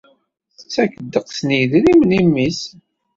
Tettak deqqes n yidrimen i mmi-s.